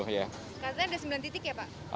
katanya ada sembilan titik ya pak